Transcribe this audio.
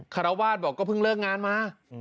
ขราวาสบอกก็พึ่งเลิกงานมา